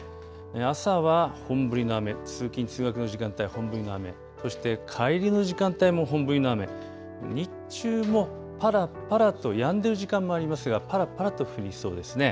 朝は本降りの雨、通勤通学の時間帯、本降りの雨、そして帰りの時間帯も本降りの雨、日中もぱらぱらとやんでいる時間もありますがぱらぱらと降りそうですね。